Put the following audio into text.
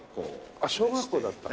あっ小学校だった。